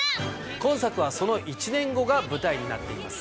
今作はその１年後が舞台になっています。